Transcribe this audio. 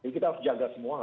kita harus jaga semua